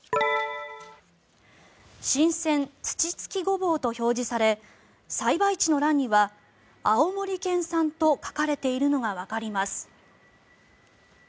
「新鮮土付きごぼう」と表示され栽培地の欄には青森県産と書かれているのがわかります。